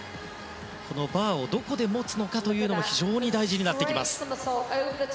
バーをどこで持つのかも非常に大事になってきます。